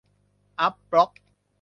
อัปบล็อก